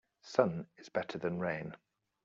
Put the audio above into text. Sun is better than rain.